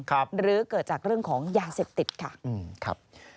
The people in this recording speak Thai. หรือเกิดจากเรื่องของยาเสพติดค่ะครับ